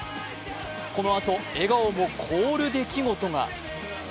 このあと笑顔も凍る出来事が。